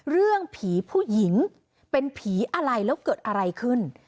เรื่องผีผู้หญิงเป็นผีอะไรแล้วเกิดอะไรขึ้น